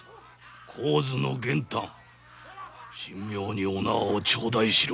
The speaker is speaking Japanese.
高津の玄丹神妙にお縄を頂戴しろ。